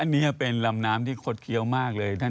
อันนี้เป็นลำน้ำที่คดเคี้ยวมากเลย